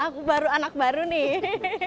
aku baru anak baru nih